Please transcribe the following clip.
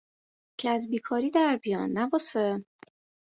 که از بیکاری در بیان نه واسه